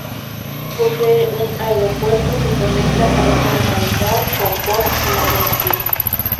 Posee un aeropuerto que conecta a esta localidad con Port Moresby.